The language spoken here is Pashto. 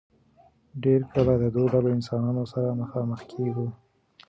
ډېر کله د دو ډلو انسانانو سره مخامخ کيږو